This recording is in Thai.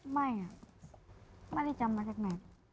ไม่ไม่ได้จำมาจากไหน